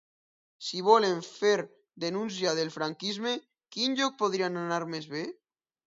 Si volen fer denúncia del franquisme, quin lloc podria anar més bé?